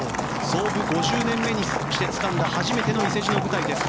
創部５０年目にしてつかんだ初めての伊勢路の舞台です。